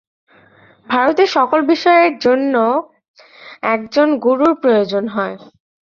ভারতে সকল বিষয়ের জন্যই একজন গুরুর প্রয়োজন হয়।